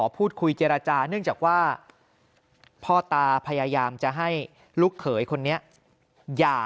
พูดคุยเจรจาเนื่องจากว่าพ่อตาพยายามจะให้ลูกเขยคนนี้